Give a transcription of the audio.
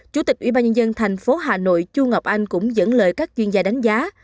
chủ tịch ubnd thành phố hà nội chu ngọc anh cũng dẫn lời các chuyên gia đánh giá